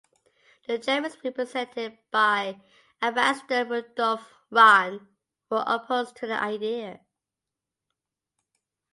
The Germans, represented by Ambassador Rudolf Rahn, were opposed to the idea.